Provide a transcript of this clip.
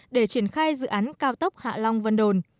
để triển khai dự án cao tốc hạ long vân đồn